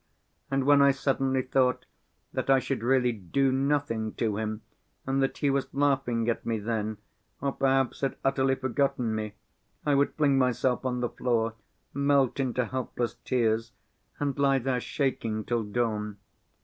And when I suddenly thought that I should really do nothing to him, and that he was laughing at me then, or perhaps had utterly forgotten me, I would fling myself on the floor, melt into helpless tears, and lie there shaking till dawn.